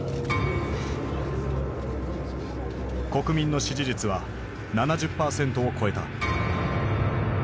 国民の支持率は７０％を超えた。